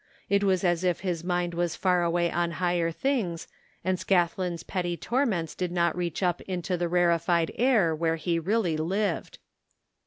It was as if his mind was far away on higher things, and Scathlin's petty torments did not reach up into the rarefied air where he really lived.